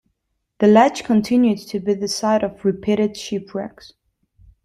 The ledge continued to be the site of repeated shipwrecks.